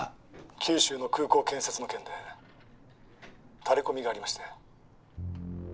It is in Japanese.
九州の空港建設の件でタレこみがありまして。